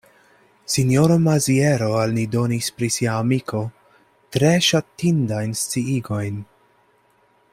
Sinjoro Maziero al ni donis pri sia amiko tre ŝatindajn sciigojn.